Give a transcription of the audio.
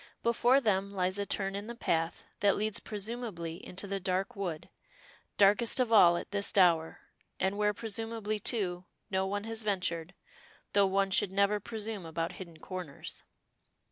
Before them lies a turn in the path that leads presumably into the dark wood, darkest of all at this hour, and where presumably, too, no one has ventured, though one should never presume about hidden corners.